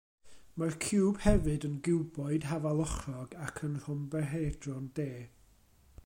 Mae'r ciwb hefyd yn giwboid hafalochrog ac yn rhombohedron de.